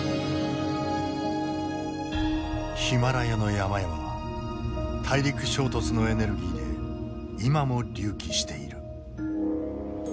ヒマラヤの山々は大陸衝突のエネルギーで今も隆起している。